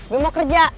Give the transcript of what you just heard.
gue mau kerja